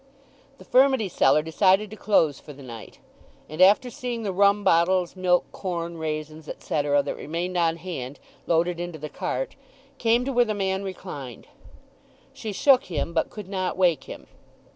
The furmity seller decided to close for the night, and after seeing the rum bottles, milk, corn, raisins, etc., that remained on hand, loaded into the cart, came to where the man reclined. She shook him, but could not wake him.